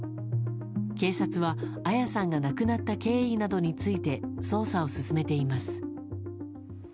警察は彩さんが亡くなった経緯などについて捜査を進めています。